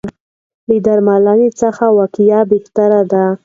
له درملنې څخه وقایه بهتره ده.